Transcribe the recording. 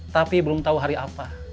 tapi belum tahu hari apa